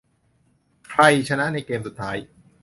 ใครชนะในเกมส์สุดท้าย ?